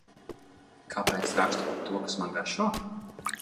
Kāpēc rakstu par to, kas man garšo?